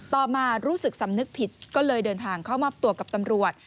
ต่อมารู้สึกสำนึกผิดก็เลยเดินทางเข้ามอบตัวกับตำรวจ